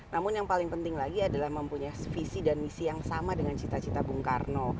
namun yang paling penting lagi adalah mempunyai visi dan misi yang sama dengan cita cita bung karno